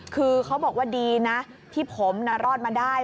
คือเขาบอกว่าดีนะที่ผมรอดมาได้